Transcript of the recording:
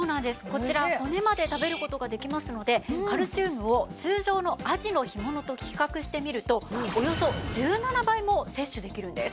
こちら骨まで食べる事ができますのでカルシウムを通常のあじの干物と比較してみるとおよそ１７倍も摂取できるんです。